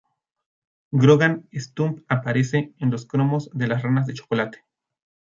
Grogan Stump aparece en los cromos de ranas de chocolate.